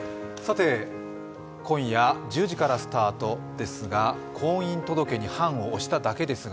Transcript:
今夜１０時からスタートですが「婚姻届に判を捺しただけですが」